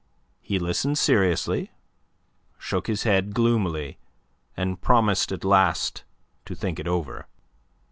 He listened seriously, shook his head gloomily, and promised at last to think it over.